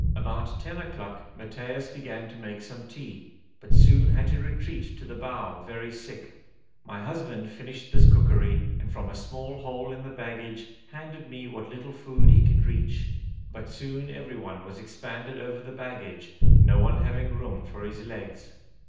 About ten o'clock Matthaios began to make some tea, but soon had to retreat to the bow very sick. My husband finished this cookery, and from a small hole in the baggage handed me what little food he could reach, but soon everyone was expanded over the baggage, no one having room for his legs.